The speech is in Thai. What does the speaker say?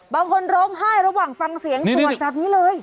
บางคนร้องไห้ระหว่างฟังเสียงตัวตรงนี้เลย